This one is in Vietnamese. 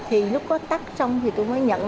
thì lúc đó tắt xong thì tôi mới nhận